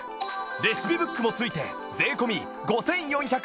レシピブックもついて税込５４８０円